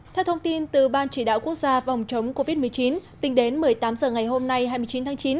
theo thông tin từ ban chỉ đạo quốc gia vòng chống covid một mươi chín tính đến một mươi tám h ngày hôm nay hai mươi chín tháng chín